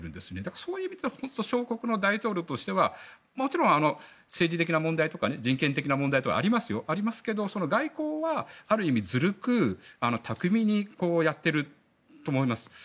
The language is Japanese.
そういう意味で小国の大統領としてはもちろん政治的な問題とか人権的な問題はありますけど外交はある意味、ずるく巧みにやっていると思います。